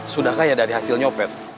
sudahkah ya dari hasil nyopet